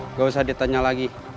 nggak usah ditanya lagi